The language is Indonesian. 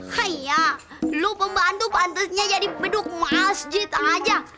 haiya lo pembantu pantesnya jadi beduk masjid aja